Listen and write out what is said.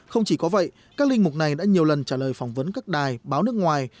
không chỉ có vậy các linh mục này đã nhiều lần trả lời phỏng vấn các đài báo nước ngoài